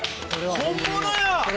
本物や！